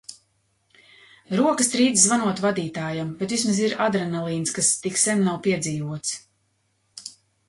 Rokas trīc zvanot vadītājam, bet vismaz ir adrenalīns, kas tik sen nav piedzīvots.